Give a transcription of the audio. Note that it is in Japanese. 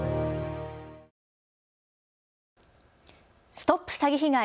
ＳＴＯＰ詐欺被害！